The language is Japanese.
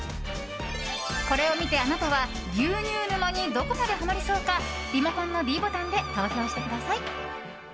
これを見てあなたは牛乳沼にどこまでハマりそうかリモコンのｄボタンで投票してください。